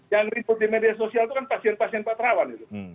yang ribut di media sosial itu kan pasien pasien pak terawan